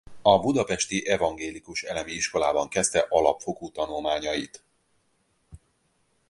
A budapesti Evangélikus Elemi Iskolában kezdte alapfokú tanulmányait.